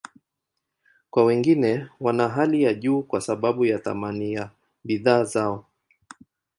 Kwa wengine, wana hali ya juu kwa sababu ya thamani ya bidhaa zao.